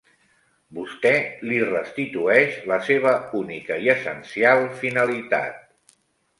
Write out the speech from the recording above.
Vostè li restitueix la seva única i essencial finalitat